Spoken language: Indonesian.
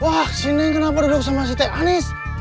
wah si neng kenapa duduk sama si t anies